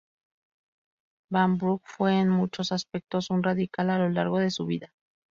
Vanbrugh fue en muchos aspectos un radical a lo largo de su vida.